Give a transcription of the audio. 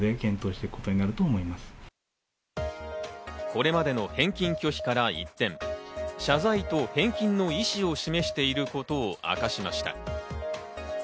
これまでの返金拒否から一転、謝罪と返金の意思を示していることを明かしました。